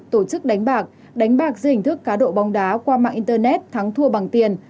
tổ chức đánh bạc đánh bạc dưới hình thức cá độ bóng đá qua mạng internet thắng thua bằng tiền